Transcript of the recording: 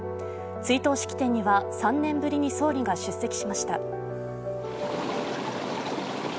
追悼式典には、３年ぶりに総理が出席しました。